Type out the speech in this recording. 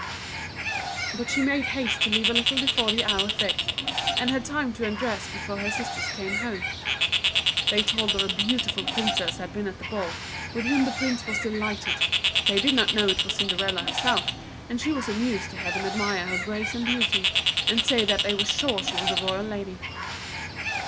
] But she made haste to leave a little before the hour fixed, and had time to undress before her sisters came home. They told her a beautiful Princess had been at the ball, with whom the Prince was delighted. They did not know it was Cinderella herself, and she was amused to hear them admire her grace and beauty, and say that they were sure she was a royal lady.